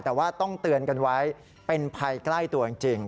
แต่ว่าต้องเตือนกันไว้เป็นภัยใกล้ตัวจริง